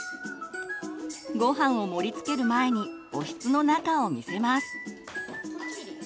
ごはんを盛りつける前におひつの中を見せます。